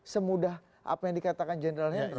semudah apa yang dikatakan general hendra